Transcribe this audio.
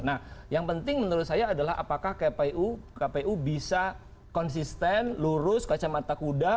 nah yang penting menurut saya adalah apakah kpu bisa konsisten lurus kacamata kuda